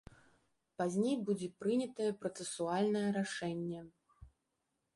Пазней будзе прынятае працэсуальнае рашэнне.